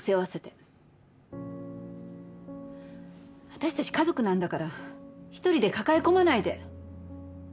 私たち家族なんだから一人で抱え込まないで。